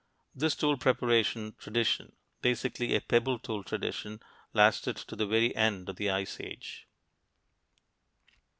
This tool preparation tradition basically a pebble tool tradition lasted to the very end of the Ice Age.